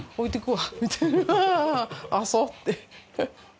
「ああそう」って。